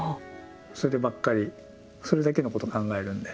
そればっかりそれだけのことを考えるんで。